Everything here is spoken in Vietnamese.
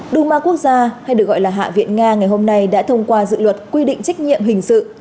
duma quốc gia hay được gọi là hạ viện nga ngày hôm nay đã thông qua dự luật quy định trách nhiệm hình sự